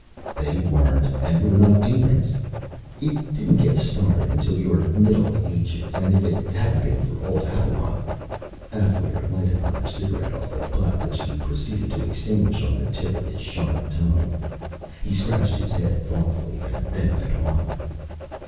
"They weren't, and we're not demons. It didn't get started until your Middle Ages. And if it hadn't been for old Apalon...." Alféar lighted another cigarette off the butt, which he proceeded to extinguish on the tip of his sharp tongue. He scratched his head thoughtfully, and then went on.